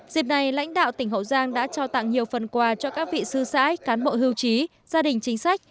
dịp này lãnh đạo tỉnh hậu giang đã trao tặng nhiều phần quà cho các vị sư sãi cán bộ hưu trí gia đình chính sách